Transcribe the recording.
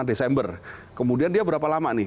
desember kemudian dia berapa lama nih